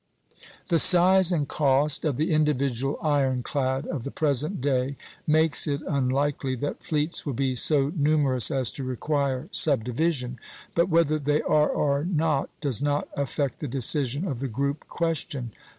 The size and cost of the individual iron clad of the present day makes it unlikely that fleets will be so numerous as to require subdivision; but whether they are or not does not affect the decision of the group question.